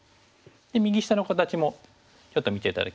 右下の形もちょっと見て頂きましょうかね。